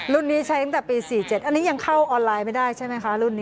นี้ใช้ตั้งแต่ปี๔๗อันนี้ยังเข้าออนไลน์ไม่ได้ใช่ไหมคะรุ่นนี้